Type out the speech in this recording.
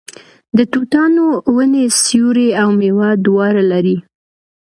د توتانو ونې سیوری او میوه دواړه لري.